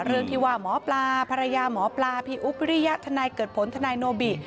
เรื่องที่ว่าหมอปลาภรรยาหมอปลาพี่อุ๊บวิริยะทนายเกิดผลทนายโนบิ